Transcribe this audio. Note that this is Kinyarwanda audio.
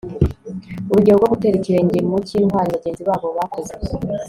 urugero rwo gutera ikirenge mu cy'intwari bagenzi babo bakoze